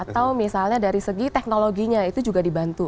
atau misalnya dari segi teknologinya itu juga dibantu